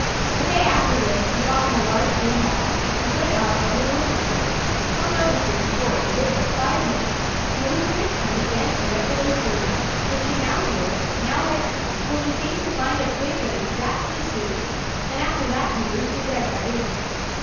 A day after this we brought in a large green bough, and put it up over the looking glass. Hum noticed it before it had been there five minutes, flew to it, and began a regular survey, perching now here, now there, till he seemed to find a twig that exactly suited him; and after that he roosted there every night.